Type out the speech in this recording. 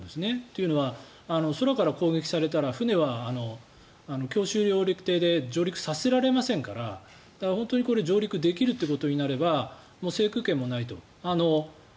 というのは、空から攻撃されたら船は強襲揚陸艇で上陸させられませんから、本当にこれ上陸できることになればもう制空権もないと。